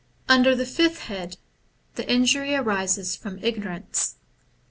Under the fifth head, the injury arises from igno rance.